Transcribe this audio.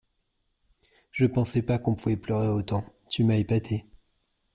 Je pensais pas qu’on pouvait pleurer autant, tu m’as épatée.